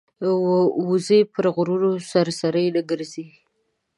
وزې پر غرونو سرسري نه ګرځي